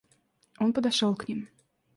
Он подошел к ним.